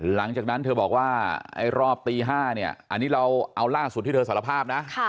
หลังจากนั้นเธอบอกว่าไอ้รอบตี๕เนี่ยอันนี้เราเอาล่าสุดที่เธอสารภาพนะ